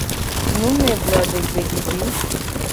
Numeblodegbedidi.